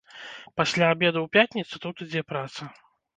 Пасля абеду ў пятніцу тут ідзе праца.